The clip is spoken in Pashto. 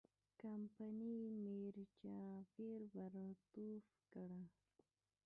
کمپنۍ میرجعفر برطرف کړ.